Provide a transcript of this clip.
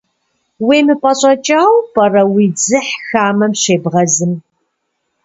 УемыпӀэщӀэкӀауэ пӀэрэ, уи дзыхь хамэм щебгъэзым?